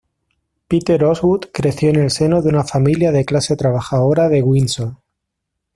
Peter Osgood creció en el seno de una familia de clase trabajadora de Windsor.